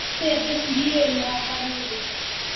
juu ya kesi hiyo inawakabili